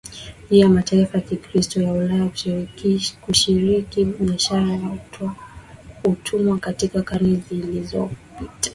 juu ya mataifa ya Kikristo ya Ulaya kushiriki biashara ya utumwa katika karne zilizopita